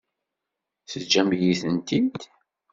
Teǧǧam-iyi-tent-id.